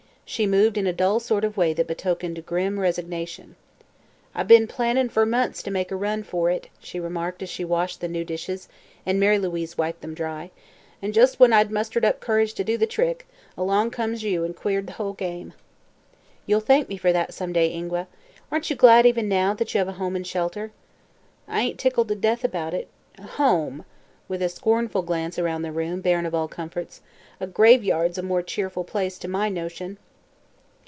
She moved in a dull sort of way that betokened grim resignation. "I've be'n plannin' fer months to make a run fer it," she remarked as she washed the new dishes and Mary Louise wiped them dry, "an' just when I'd mustered up courage to do the trick, along comes you an' queered the whole game." "You'll thank me for that, some day, Ingua. Aren't you glad, even now, that you have a home and shelter?" "I ain't tickled to death about it. Home!" with a scornful glance around the room, barren of all comforts. "A graveyard's a more cheerful place, to my notion."